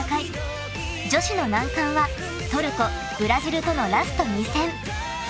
［女子の難関はトルコブラジルとのラスト２戦］